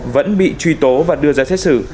vẫn bị truy tố và đưa ra xét xử